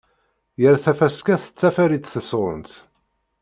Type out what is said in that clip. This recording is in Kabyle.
Yal tafaska teṭṭafar-itt tesɣunt.